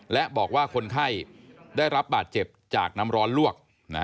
และบอกว่าคนไข้ได้รับบาดเจ็บจากน้ำร้อนลวก